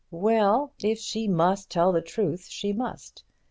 Well, if she must tell the truth, she must.